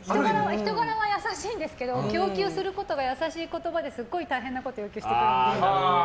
人柄は優しいんですけど要求することが優しい言葉ですごい大変なことを要求してくるので。